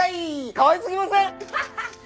かわいすぎません！？